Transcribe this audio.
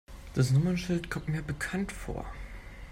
Das Nummernschild kommt mir bekannt vor.